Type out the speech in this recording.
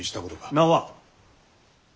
名は？